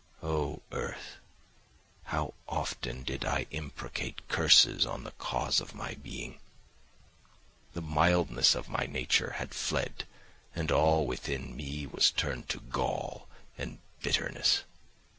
Oh, earth! How often did I imprecate curses on the cause of my being! The mildness of my nature had fled, and all within me was turned to gall and bitterness.